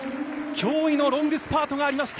驚異のロングスパートがありました。